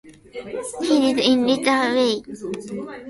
He died in Rytwiany.